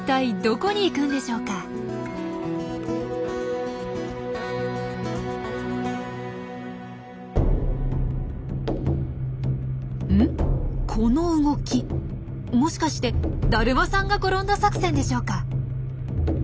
この動きもしかして「だるまさんが転んだ作戦」でしょうか？